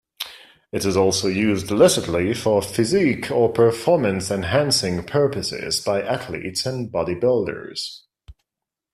It is also used illicitly for physique- or performance-enhancing purposes by athletes and bodybuilders.